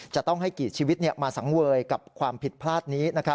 จะต้องให้กี่ชีวิตมาสังเวยกับความผิดพลาดนี้